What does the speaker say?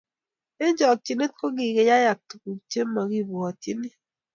eng chokchinet kiyayak tuguk chegimagibwatyini